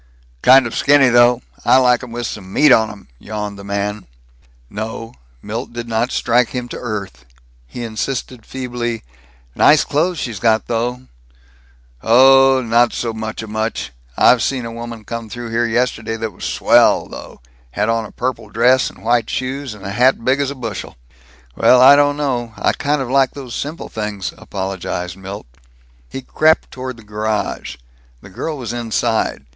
"Kind of skinny, though. I like 'em with some meat on 'em," yawned the man. No, Milt did not strike him to earth. He insisted feebly, "Nice clothes she's got, though." "Oh, not so muchamuch. I seen a woman come through here yesterday that was swell, though had on a purple dress and white shoes and a hat big 's a bushel." "Well, I don't know, I kind of like those simple things," apologized Milt. He crept toward the garage. The girl was inside.